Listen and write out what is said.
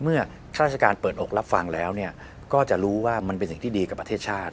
ข้าราชการเปิดอกรับฟังแล้วก็จะรู้ว่ามันเป็นสิ่งที่ดีกับประเทศชาติ